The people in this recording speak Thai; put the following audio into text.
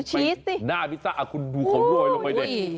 ดูชีสสิหน้าพิซซ่าอ่ะคุณดูเขารวยลงไปเลย